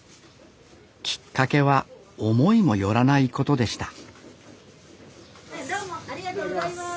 きっかけは思いもよらないことでしたどうもありがとうございます。